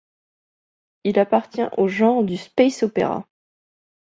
Il appartient au genre du space opera.